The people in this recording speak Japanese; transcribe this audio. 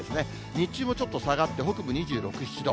日中もちょっと下がって、北部２６、７度。